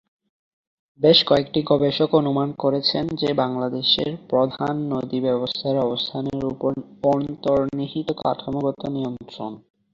বেশ কয়েকটি গবেষক অনুমান করেছেন যে বাংলাদেশের প্রধান নদী ব্যবস্থার অবস্থানের উপর অন্তর্নিহিত কাঠামোগত নিয়ন্ত্রণ।